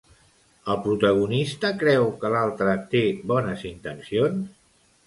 El protagonista creu que l'altre té bones intencions?